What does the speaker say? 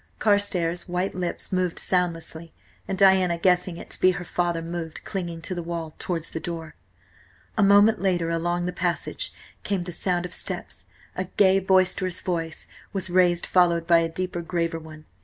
Carstares' white lips moved soundlessly, and Diana, guessing it to be her father, moved, clinging to the wall, towards the door. A moment later along the passage came the sound of steps; a gay, boisterous voice was raised, followed by a deeper, graver one.